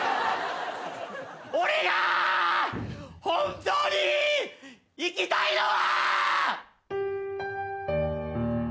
俺が本当に行きたいのは！